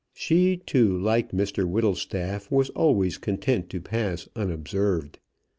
She, too, like Mr Whittlestaff, was always contented to pass unobserved.